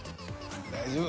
大丈夫。